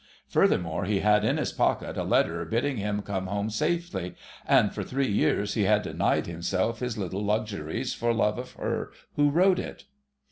Furthermore, he had in his pocket a letter bidding him come home safely; and for three years he had denied himself his little luxuries for love of her who wrote it....